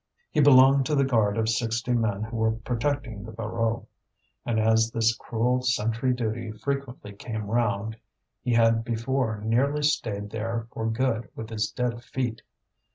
He belonged to the guard of sixty men who were protecting the Voreux, and as this cruel sentry duty frequently came round, he had before nearly stayed there for good with his dead feet.